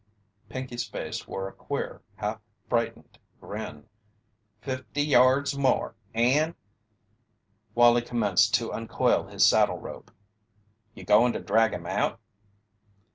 Pinkey's face wore a queer, half frightened grin. "Fifty yards more and " Wallie commenced to uncoil his saddle rope. "You goin' to drag him out?"